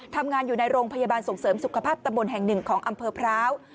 ทำงานอยู่ในโรงพยาบาลส่งเสริมสุขภาพตำบลแห่งหนึ่งของอำเภอพร้าว